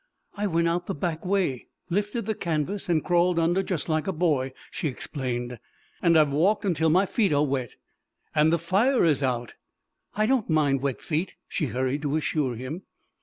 "I went out the back way lifted the canvas and crawled under just like a boy," she explained. "And I've walked until my feet are wet." "And the fire is out!" "I don't mind wet feet," she hurried to assure him.